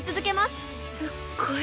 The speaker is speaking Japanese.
すっごい